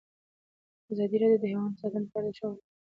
ازادي راډیو د حیوان ساتنه په اړه د ښځو غږ ته ځای ورکړی.